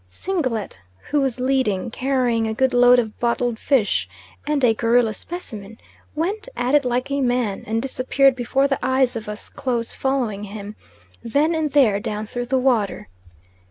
Singlet, who was leading, carrying a good load of bottled fish and a gorilla specimen, went at it like a man, and disappeared before the eyes of us close following him, then and there down through the water.